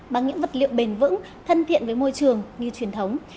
bằng những vật liệu bền vững thân thiện với môi trường như truyền thống